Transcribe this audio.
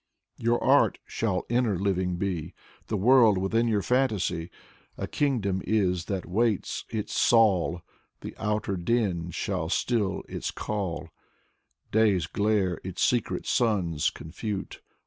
Your art shall inner living be. The world within your fantasy A kingdom is that waits its Saul. The outer din shall still its call, Day's glare its secret suns confute.